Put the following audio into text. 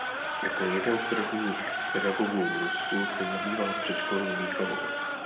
Jako jeden z prvních pedagogů v Rusku se zabýval předškolní výchovou.